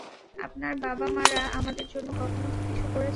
আপনারা বাবা-মারা আমাদের জন্য কখনও কি কিছু করেছেন?